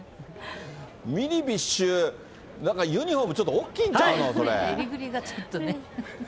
ミニビッシュ、なんかユニホーム、ちょっと大きいんちゃうの、襟ぐりがちょっとね。